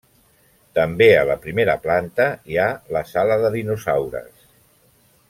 També a la primera planta hi ha la sala de dinosaures.